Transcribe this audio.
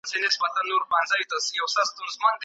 تاسو د خپلو کالیو په پاک ساتلو اخته یاست.